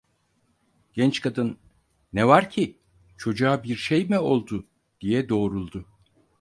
Genç kadın: "Ne var ki? Çocuğa bir şey mi oldu?" diye doğruldu.